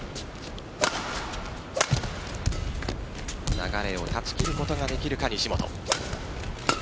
流れを断ち切ることができるか、西本。